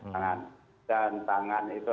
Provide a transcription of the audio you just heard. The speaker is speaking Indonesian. tangan dan tangan itu